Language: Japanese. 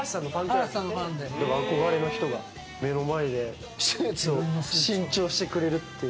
憧れの人が目の前でスーツを新調してくれるっていう。